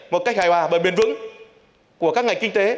một cách hài hòa và bền vững của các ngành kinh tế